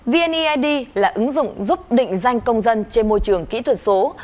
vneid là ứng dụng giúp định danh công dân trên môi trường kỹ thuật số